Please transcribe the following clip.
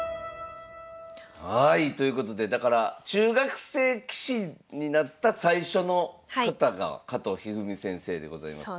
はいということでだから中学生棋士になった最初の方が加藤一二三先生でございます。